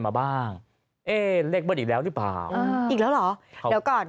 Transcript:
มาบ้างเอ๊เลขเบิ้ลอีกแล้วหรือเปล่าเอออีกแล้วเหรอเดี๋ยวก่อน